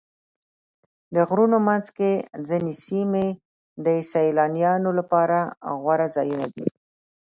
د غرونو منځ کې ځینې سیمې د سیلانیانو لپاره غوره ځایونه دي.